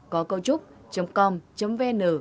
có câu trúc com vn